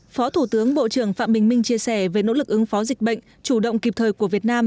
phó thủ tướng bộ trưởng phạm bình minh chia sẻ về nỗ lực ứng phó dịch bệnh chủ động kịp thời của việt nam